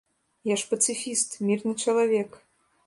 Я ж пацыфіст, мірны чалавек.